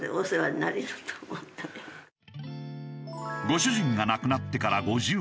ご主人が亡くなってから５０年。